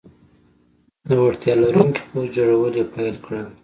د وړتیا لرونکي پوځ جوړول یې پیل کړل.